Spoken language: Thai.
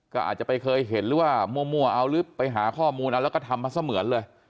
ค่ะมั่วเอาลึกไปหาข้อมูลแล้วก็ทำมาเสมือนเลย